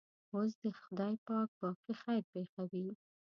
اوس دې خدای پاک باقي خیر پېښوي.